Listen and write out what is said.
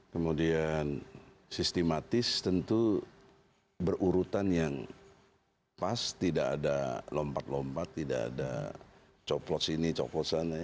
kemudian sistematis tentu berurutan yang pas tidak ada lompat lompat tidak ada coplot sini coplot sana